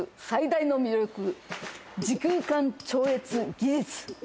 最大の魅力時空間超越技術！